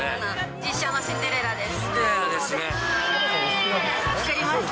実写のシンデレラです。